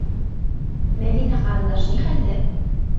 Мәҙинә ҡарындаш ни хәлдә?